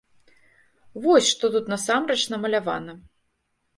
Вось што тут насамрэч намалявана.